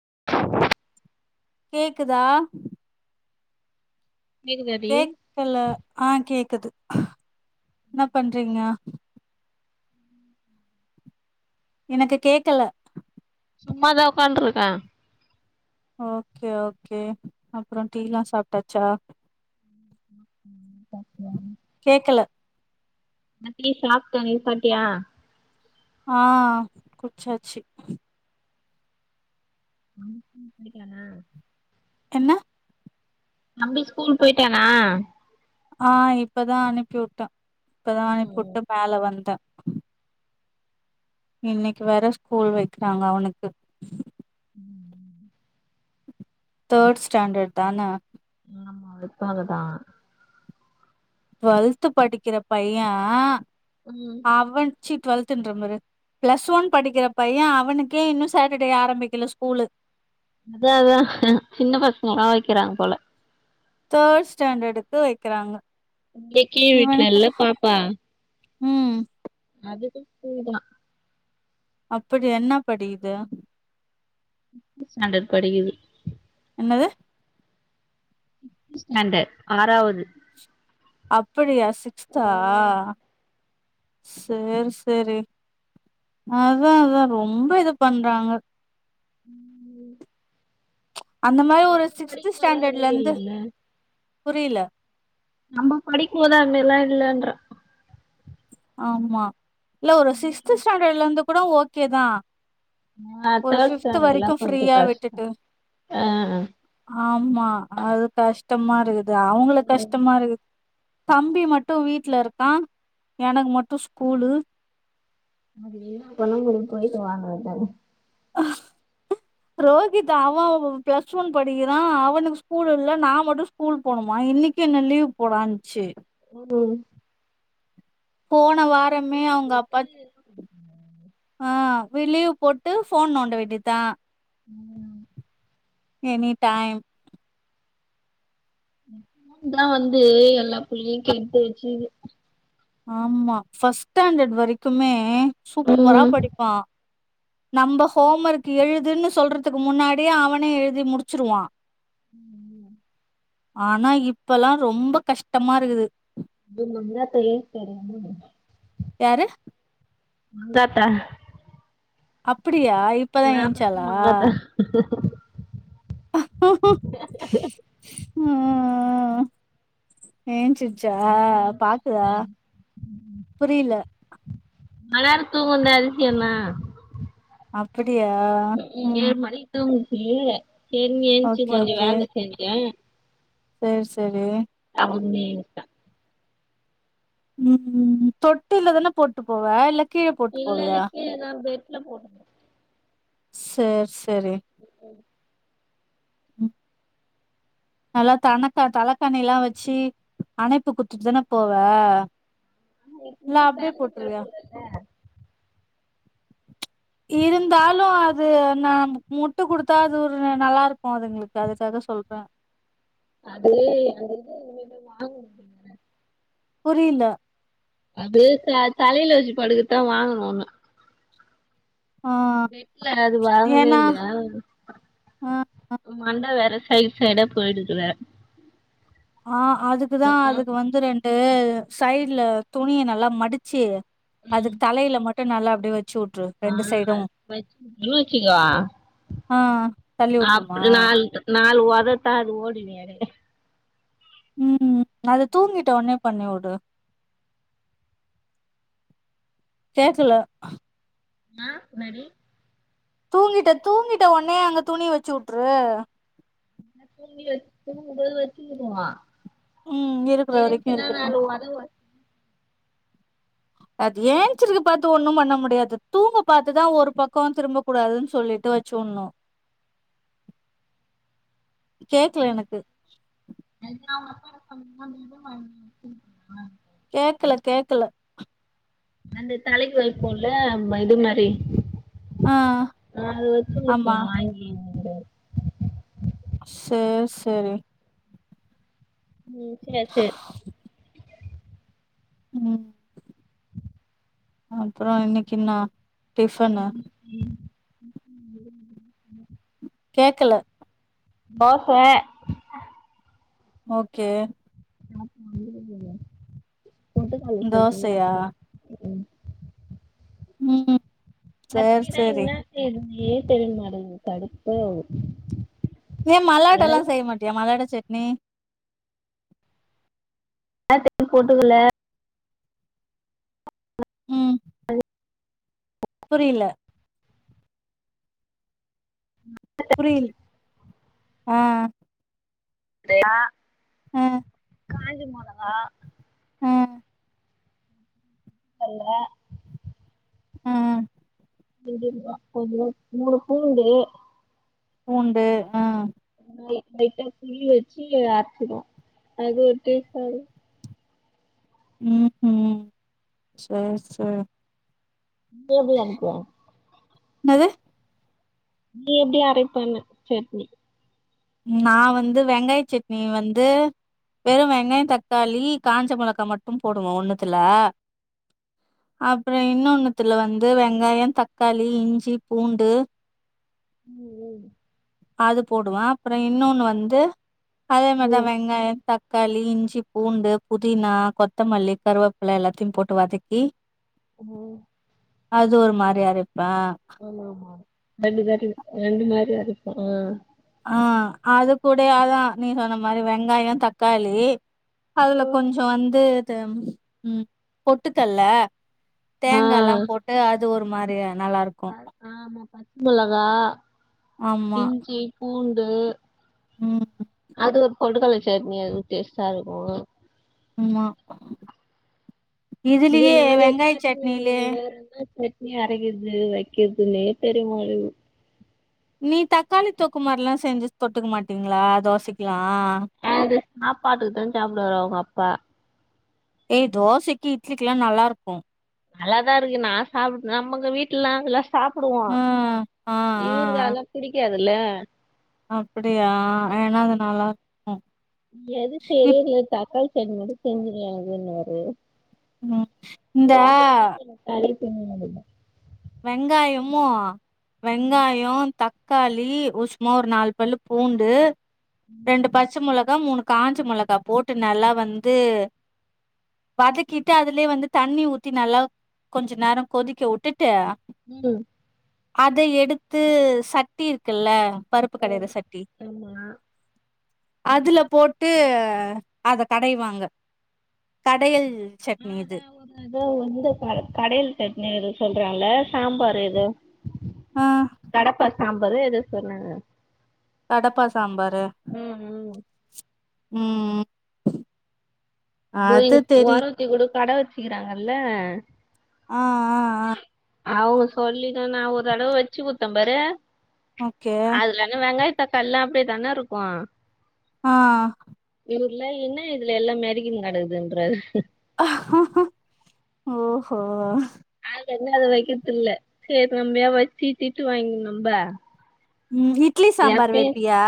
[inaudible] கேக்குதா கேக்குதாடி கேக்கல ஆ கேக்குது என்ன பண்றீங்க எனக்கு கேக்கல சும்மாதா உக்கான்ருக்க ஓகே ஓகே அப்புறோ டீயில்லா சாப்ட்டாச்சா கேக்கல நா டீ சாப்ட்ட நீ சாட்டியா ஆ குச்சாச்சு [unintelligible] குடிக்களனா என்ன தம்பி ஸ்கூல் போயிட்டானா ஆ இப்பதா அனுப்பியுட்ட இப்பதா அனுப்பியுட்டு மேல வந்த இன்னிக்கு வேற ஸ்கூல் வெக்றாங்க அவனுக்கு தோர்டு ஸ்டேண்டர்தான ஆமா விற்ப்பாங்கதா டுவெல்து படிக்கிற பைய ம் அவன் ச்சி டுவெல்துன்றம் பாரு பிளஸ் ஒன் படிக்கிற பைய அவனுக்கே இன்னு சேட்டடே ஆரம்பிக்கல ஸ்கூல்லு அதாதா ஹ சின்ன பசங்கல்லா வெக்கிறாங்க போல தேர்ட் ஸ்டேண்டடுக்கு வெக்கிறாங்க ஏக் கீ [unintelligible] செல்லப் பாப்பா ம் அதுக்கும் பூதா அப்படி என்ன படிக்குது உக்ம் சிக்ஸ்துஸ்டேன்டடு படி என்னது ஸ்டேண்டர்டு ஆறாவது அப்படியா ஸ் ஆ சிக்ஸ்த்தா சேரி சேரி அதாதா ரொம்ப இது பண்றாங்க ம் அந்த மாதிரி ஒரு நம்ம சிக்ஸ்த் படிக்கும்போதெல்லா இது ஸ்டேண்டர்டுலிருந்து மாரில்லல்ல புரில நம்ம படிக்கும்போது அது மெரில்லா இல்லன்ற ஆமா இல்லோ ஒரு சிக்ஸ்த்து ஸ்டேண்டர்டுலிருந்து கூட ஓகேதா ஆ ஒரு தேர்ட் பிப்த் ஸ்டாண்டர்ட்லா வரைக்கு கொஞ்சோ ஃப்ரீயா கஷ்டோ விட்டுட்டு ஆ ஆமா அது கஷ் கஸ்டமா இருக்குது அ அவங்களுக்கு கஷ்டமா இருக்குது தம்பி மட்டு வீட்ல இருக்கா எனக்கு மட்டு ஸ்கூலு அதேதா கொல்லங்கோடு போய்ட்டு வாங்க எல்லாரு. ஆஹ் ரோஹித் அவ பிளஸ் ஒன் படிக்கிறா அவனுக்கு ஸ்கூல் இல்ல நா மட்டு ஸ்கூல் போணுமா இன்னைக்கு என்ன லீவ் போடான்ச்சு. ம் போ ன வாரமே லீவ் அவங்க அப்பா போட்டு ஆ வி லீவ் போட்டு ஃபோன் நோண்ட வேண்டியதுதா. ம் எனி டைம் இந்த ஃபோன்தா வந்து எல்லா புள்ளையு கெடுத்து வச்சுர்க்கு. ஆமா ஃபர்ஸ்ட் ஸ்டாண்டர்ட் வரைக்குமே சூப்பரா ம் படிப்பா. நம்ப ஹோம் ஒர்க் எழுதுன்னு சொல்றதுக்கு முன்னாடியே அவனே எழுதி முடிச்சிருவா. ம் ம் ஆனா இப்பல்லா ரொம்ப கஷ்டமா இருக்குது. இது நம்ளா [unintelligible] யாரு? மங்காத்தா அப்பி டியா இப்பதா நா பெத்த ஏன்ச்சாளா? மங்காத்தா [inaudible] ம் ச்சுச்சா ரொம்ப பாக்குதா புரியல மளார்னு தூங்குனுது அதிசயந்தா. அப்பி டியா ம் கீழ சேரின்னு எஞ்ச்சு ஓகே கொஞ்ச ஓகே வேல செஞ்சே சேரி சேரி மம்மின்ட்டா ம் ம் தொட்டில்லதான போட்டு போவே இல்ல கீழ போட்டு இல்லல்ல போவியா கீழதா பெட்ல போட் சேர்ஸ் செரி ம் நல்லா தனக்கா தலக்காணி எல்லா வச்சு அணைப்பு குத்துட்டுதான போவே? இல்ல இன்னு அப்டியே பேண்ட் போட்ருவியா? படுதுல்ல இருந்தாலும் அது நான் முட்டு கொடுத்தா அது ஒரு நல்லா இருக்கும் அதுங்களுக்கு அதுக்காக சொல்றேன் அது அங்கனமே வாங்கணும் அப்படிங்கற [inaudible] புரியில அது தலையையில் வச்சி படுக்கத்தான் வாங்கனாங்க ஆ ட்ல அது வாங்கவே ஏன்னா இல்லைய ஆ மண்டை வேற சைடு சைடா போயிடுவ ஆஹ் அதுக்குதான் அதுக்கு வந்து ரெண்டு டு சைடுல துணியை நல்லா மடிச்சு அதுக்கு தலையில மட்டும் நல்லா அப்படி வச் ஆஹ் அருச்சிங்கலா ஆ தள்ளி அ வுட்ருமா? நா நா அத புடுங்கனாவே தத்தா அது ஓடிவியான் உம் அதை தூங்கிட்ட உனே பண்ணி விடு கேக்கல ஆ இன்னடி தூங்கிட்ட தூங்கிட்ட உனே அங்க துணி வச்சுட்ரு தூங்கி வச் தூங்குபோது வெச்சு விடுவான் ம் இருக்குற வரைக்கும் ஏன்ச்சனா இருக்கட்டும். நாலு வொத ஓத அது ஏச்சிருக்கு பாத்து ஒண்ணும் பண்ண முடியாது தூங்க பாத்துதான் ஒரு பக்கம் திரும்ப கூடாதுன்னு சொல்லிட்டு வச்சு உணும் கேக்கல எனக்கு [inaudible] கேக்கல கேக்கல அந்த தலைக்கு வைப்போல்ல [unintelligible] மாரி ஆ நா ஆமா. [unintelligible] [unintelligible] சேர் சேரி உம் சேர் சேர் உம் அப்ரோ இன்னிக்கி இன்னா டிஃபன்னு [inaudible] கேக்கல தோச ஓகே [unintelligible] கூட்டு தோசையா கல்லட்டக்குாரக்க உம் [inaudible] உம் மத்திதான் என்ன சேரும் ஏன் தெரியமாட்டது கடுப்பாவுத்து ஏன் மலாட்ட எல்லாம் செய்ய மாட்டியா மலாட்ட செ நீ தேர் [inaudible] போட்டுக்கல உம் ஹலோ இல்ல ஆஹ் தியா [inaudible] உம் காஞ்ச மெளகா உம் கல்ல உம் ஒரு [unintelligible] மூணு பூண்டு பூண்டு உம் லைட்டா புளி வச்சு அச்சிருவோம் அது ஒரு டேஸ்டா இரு உம் உம் சேரி சேரி நீ எப்டிய அனுப்புவ எனது நீ எப்டி அரைப்பன்ன சட்னி நான் வந்து வெங்காய சட்னி வந்து வெறும் வெங்காயம் தக்காளி காஞ்ச மிளகா மட்டும் போடுவோம் ஒண்ணுத்துல அப்பறம் இன்னொண்ணுத்துல வந்து வெங்காயம் தக்காளி இஞ்சி பூண்டு உம் உம் அது போடுவோன் அப்பறம் இன்னொன்னு வந்து அதே ம் மாரி தான் ம் வெங்காயம் தக் காளி இஞ்சி பூண்டு புதினா கொத்தமல்லி கருவேப்பில எல்லாத்தையும் போட்டு வதக்கி உம் அது ஒரு மாரி அரை ஆமா ஆமா ரெண்டுதாட்டி ரெண்டு மாதரி அரை உம் ஆஹ் அது கூடாயேதான் நீ சொன்ன மாரி வெங்காயம் தக்காளி அதுல ம் கொஞ்சம் வந்து உம் பொட்டுகல்ல ஆ தேங்காய் எல்லாம் போட்டு அ அது ஒரு மாரியா நல்லா இருக்கும் அ- ஆமா பச்ச மொளகா இஞ்சி பூண் டு ம். அது பொட்டுக்கடல சட்னி அதுவு டேஸ்ட்டா இருக்கு ஆமா இது இதுலயே நாலு வருஷோ வெங்காய ஆச்சுங்க சட்னிலயே [unintelligible] வேற எதுனா சட் னி அரைக்கிறது வைக்கறதுன்னே பெருமளவு நீ தக்காளி தொக்கு மாரில்லா செஞ்சு தொட்டுக்க மாட்டிங்ளா தோசைக்கலா? இது சாப்பாட்டுக்குதா சாப்ட வரு அவங்க அப்பா ஏய் தோசைக்கி இட்லிக்கல்லா நல்லா இருக்கு நல்லாதா இருக்கு நா சாப்ட நமக்கு வீட்லலா எல்லா சாப்புடுவோ ஆ ஆ ஆ இவருக்கு அதல்லா பிடிக்காதல்ல. அ அ அப்படியா ஏன்னா அது நல்லா இருக்கு எது இப் தெரியல தக்காளி சட்னி வந்து செஞ்சுக்கலா அதுன்னாரு. ம் ஓ இந்த அப்புறந்தா செரி [unintelligible] [unintelligible] வெங்காயமு வெங்காயோ தக்காளி உ சும்மா ஒரு நாலு பல்லு பூண்டு ரெண்டு பச்ச மொள கா மூணு காஞ்ச மொளகா போட்டு நல்லா வந்து வதக்கிட்டு அதுலயே வந்து தண்ணி ஊத்தி நல்லா கொஞ்ச நேரோ கொதிக்க விட்டு ட்டு ம் அத எடுத்து சட்டி இருக்கல்ல பருப்பு கடையற ம் சட்டி ஆமா அதுல போட்டு அத கடைவாங்க கடையல் ஆ சட்னி இது அதா ஒரு எதோ வந்து க கடையல் சட்னி அது சொல்றால்ல சாம்பாரு எதோ ஆ கடப்பா சாம்பாரு எதோ சொன்னாங்க கடப்பா சாம்பாரு ம் ம் ம் தோ அது எங்க தெரி ஓரகத்தி கூட கட வச் சிக்கிறாங்கல்ல ஆ ஆ ஆ அவங்க சொல்லிதா நா ஒரு தடவ வச்சு குடுத்தேம் பாரு ஓகே அதுல எங்க வெங்காய த்த [unintelligible] தானே இருக்கு ஆ இவரு இல்ல என்ன இதுல எல்லா மெதிக் கினு கெடக்குதுன்றாரு ஓஹோ செரின்னு அது வைக்கறது இல்ல சேரி நம்ம ஏ வச்சு திட்டு வாங்னு நம்ப ம் இட்லி சாம்பார் வப்பியா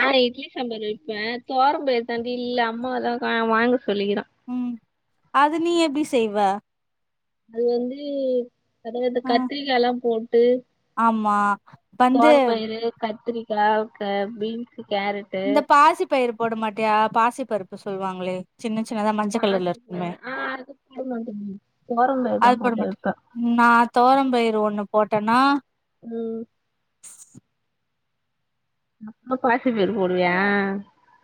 ஆ இட்லி சாம்பார் வப்பே தொவரம்பருப்புதாண்டி இல்ல அம்மாவதா கா வாங்க சொல்லிக்கிறே ம் அது நீ எப்டி செய்வ அது வந்து அதாவது ஆ கத்திரிக்கா எல்லா போட் டு ஆமா வந்து க்கா க பீன்ஸு கேரட்டு இந்த பாசி பயிறு போட மாட்டியா பாசி பருப்பு சொல்வாங்களே சின்ன சின்னதா மஞ்சக் கலர்ல இருக்குமே பாசிப்பயிறு ஆ அது போட மாட்டே தோரம்பயிறுதா அது போட போட்டு மாட்ட வைப்பே நா தொவரம் பயிறு ஒண்ணு போட்டன்னா ம் அப்ப பாத்து இது போடுவியா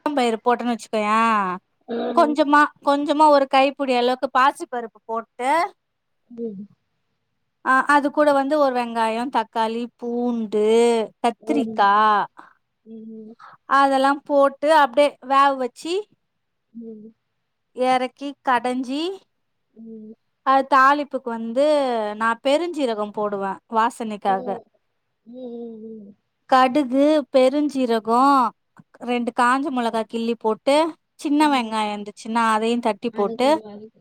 [unintelligible] பயிறு போட்டன்னு வச்சுக்கோயே ம் கொஞ்சமா கொஞ் சமா ஒரு கைப்பிடி அளவுக்கு பாசி பருப்பு போட்டு செரி ஆ அது கூட வந்து ஒரு வெங்காயோ தக்காளி பூண்டு ம் கத்திரிக்கா ம் அதெல்லா போட்டு அப்டியே வேக வச்சி ம் எறக்கி கடஞ்சி ம் அடு தாளிப்புக்கு வந்து நா பெருஞ்சீரகோ போடுவே வாசனைக்காக ம் கடு கு பெருஞ்சீரகோ ரெண்டு காஞ்ச மெளகா கிள்ளி போட்டு சின்ன ம் ம் வெங்காயோ இருந்துச்சுன்னா அதையு தட்டி அது போட்டு கொஞ்சோ வலிக்கு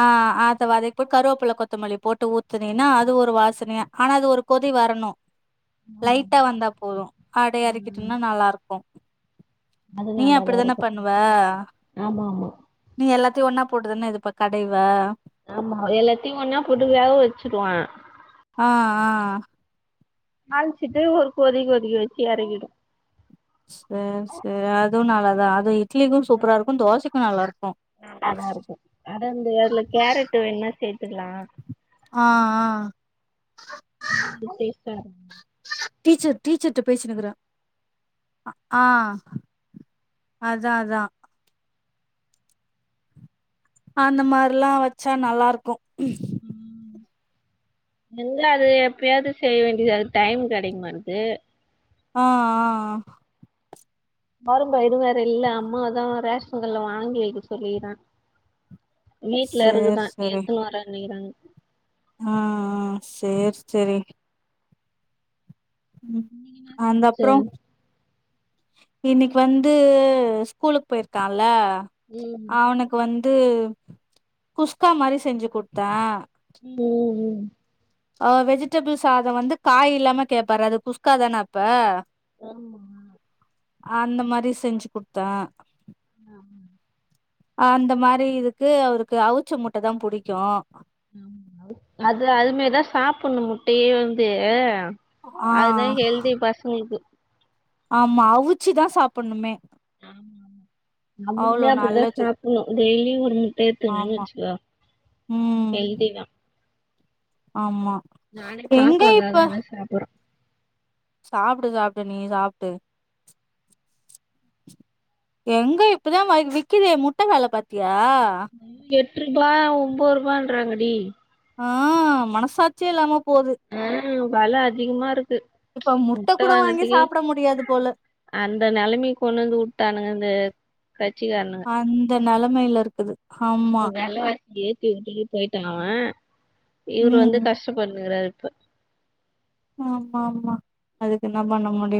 ஆ அத வதக்கி போட் கருவேப்பில கொத்தமல்லி போட்டு ஊத்துனீனா அது ஒரு வாசனையா ஆனா அது ஒரு கொதி வரணு ஆமா லைட்டா ஆமா வந்தா போது அப்டியே ம் எறக்கிட்டோம்னா நல்லா இருக்கு அது நீ நல்லாதா அப்டிதான இருக்கு பண்ணுவ ஆமா ஆமா நீ எல்லாத் து ஒன்னா போடுதுன்னு இது பாத் கடைவ ஆமா எல்லாத்தையு ஒன்னா போட்டு வேக வச்சுருவே ஆ ஆ அல்ச்சுட்டு ஒரு கொதி கொதிக்க வச்சு எறக்கிடு சேரி சேரி அதுவு நல்லாதா அது இ ட்லிக்கு சூப்பரா இருக்கு தோசைக்கு நல்லா இருக்கு நல்லாதா இருக்கு த்துக்கலா ஆ ஆ அது ஒரு டேஸ்டா இருக்கு டீச்சர் டீச்சர்ட்ட பேசினு இருக்கற அ ஆ அதா அதா அந்த மாரில்லா வச்சா நல்லா இருக்கு எங்க அது எப்பயாது செய்ய வேண்டியதா இருக்கு டைம் கெடைக்கமாட்டுது ஆ ஆ வரும்பு இது வேற இல்ல அம்மாவதா ரேஷன் கடல வாங்கி வெக்க சொல்லிக்கிறே வீட்ல சேர் இருக்குதா சேரி எடுத்துனு வரேனுருக்கறாங்க ஆ ஆ சேரி சேரி இன்னக்கி என்ன சமச்சே இன்னக்கி வந்து ஸ்கூலுக்கு போயிருக்கான்ல ம் அவனுக்கு வந் து குஸ்கா மாரி செஞ்சி குட்த்தே ம் ம் ம் ஆ வெஜிடபிள் சாதோ வந்து காய் இல்லாம கேப்பாரு அது குஸ்காதான அப்ப ஆமா அந்த மாரி செஞ்சு குடுத்தே ஆமா அந்த மாரி இதுக்கு அவுருக்கு அவுச்ச முட்டதா புடிக்கு அது அது மேரிதா சாப்ணு முட்டயே வந்து ஆ அதுதா ஹெல்தி பசங்களுக்கு ஆமா அவுச்சிதா சாப்பட்ணுமே ஆமா நம்மளுந்தா அப்டிதா நல்லது சாப்பட்ணு டெய்லியு ஒரு முட்ட எத்துக்கினேன்னு ஆமா வச்சிக்கோ ம் ஹெல்திதா ஆமா நானே எங்க இப்ப பாப்பாக்காகதா எதா சாப்பறோ சாப்டு சாப்டு நீ சாப்டு எங்க இப்பதா வ விக்குதே முட்ட வெல பாத்தியா ஆ ட்ரூபா ஒம்போது ரூபான்றாங்கடி ஆ மனசாட்சியே இல்லாம போது ம் வெல அதிகமா இருக்கு இப்ப முட்ட கூட வாங்கி வாங்கறதுக்கே சாப்ட முடியாது போல அந்த நெலமக்கி கொண்டு வந்து வுட்டானுங்க அந்த கச்சிகாரனுக நெலைமையில இருக்குது ஆமா இப்போ வெலவா ஏத்தி விட்டுட்டு போயிட்டா அவ இவுரு வந்து ம் கஷ்டப்பட்னுருக்கறாரு ப ஆமா ஆமா அதுக்கு என்ன பண்ண முடியு